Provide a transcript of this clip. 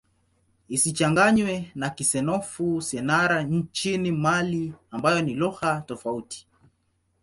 Isichanganywe na Kisenoufo-Syenara nchini Mali ambayo ni lugha tofauti.